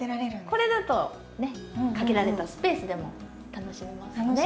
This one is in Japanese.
これだとねっ限られたスペースでも楽しめますので。